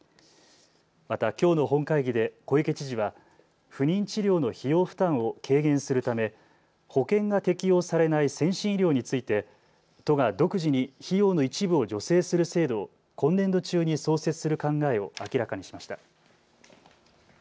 また、きょうの本会議で小池知事は不妊治療の費用負担を軽減するため保険が適用されない先進医療について都が独自に費用の一部を助成する制度を今年度中に創設する考えを明らかにしました。